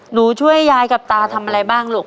หนูช่วยยายกับตาทำอะไรบ้างลูก